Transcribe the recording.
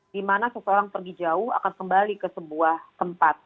di mana seseorang pergi jauh akan kembali ke sebuah tempat